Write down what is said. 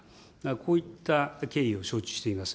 こういった経緯を承知しています。